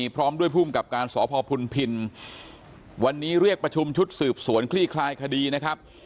พร้อมด้วยภูมิกับการสพพุนพินวันนี้เรียกประชุมชุดสืบสวนคลี่คลายคดีนะครับ